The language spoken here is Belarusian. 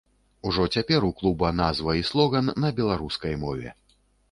Ужо цяпер у клуба назва і слоган на беларускай мове.